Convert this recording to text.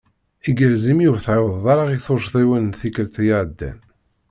Igerrez imi ur tɛiwdeḍ ara i tucḍiwin n tikelt iɛeddan.